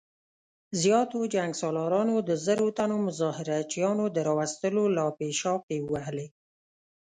زياتو جنګ سالارانو د زرو تنو مظاهره چيانو د راوستلو لاپې شاپې ووهلې.